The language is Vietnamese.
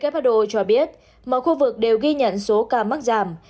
who cho biết mọi khu vực đều ghi nhận số ca mắc giảm